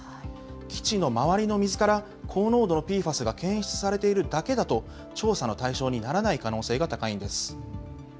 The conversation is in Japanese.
基地の周りの水から高濃度のＰＦＡＳが検出されているだけだと、調査の対象にならない可能性が高いんです。